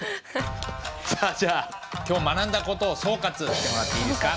さあじゃあ今日学んだ事を総括してもらっていいですか？